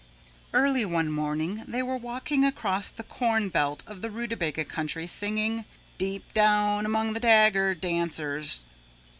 Early one morning they were walking across the corn belt of the Rootabaga Country singing, "Deep Down Among the Dagger Dancers."